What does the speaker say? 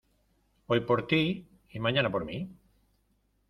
Hoy por ti, y mañana por mi.